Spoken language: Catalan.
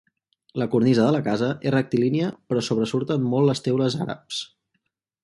La cornisa de la casa és rectilínia però sobresurten molt les teules àrabs.